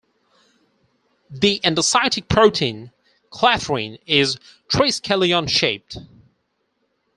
The endocytic protein, clathrin, is triskelion-shaped.